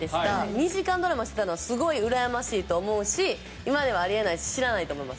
２時間ドラマしてたのはすごいうらやましいと思うし今ではあり得ないし知らないと思います。